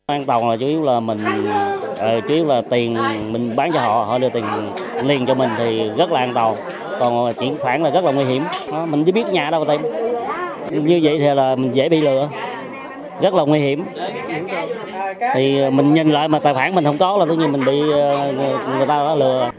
an toàn là chủ yếu là mình bán cho họ họ đưa tiền liền cho mình thì rất là an toàn còn chuyển khoản là rất là nguy hiểm mình chứ biết nhà đâu tìm như vậy thì mình dễ bị lừa rất là nguy hiểm thì mình nhìn lại mà tài khoản mình không có là tự nhiên mình bị người ta lừa